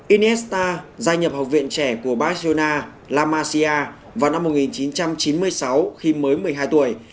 inesta gia nhập học viện trẻ của barcelona la masia vào năm một nghìn chín trăm chín mươi sáu khi mới một mươi hai tuổi